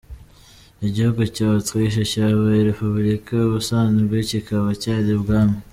Igihugu cya Autriche cyabaye Repubulika, ubusanzwe kikaba cyari ubwami.